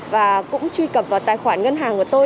và cũng truy cập vào tài khoản ngân hàng của tôi